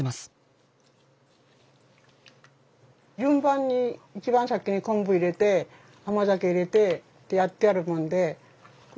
順番に一番先に昆布入れて甘酒入れてってやってあるもんでこれを混ぜないと。